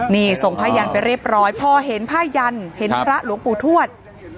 นี่ส่งผ้ายันไปเรียบร้อยพอเห็นผ้ายันเห็นพระหลวงปู่ทวด